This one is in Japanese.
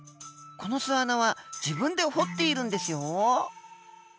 この巣穴は自分で掘っているんですよ。